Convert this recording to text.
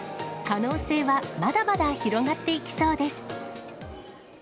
可能性はまだまだ広がっていきそうです。